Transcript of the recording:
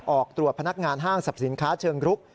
ออกตรวจพนักงานห้างสรรพสินค้าเชิงรุก